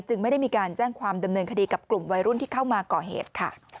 ไม่ได้มีการแจ้งความดำเนินคดีกับกลุ่มวัยรุ่นที่เข้ามาก่อเหตุค่ะ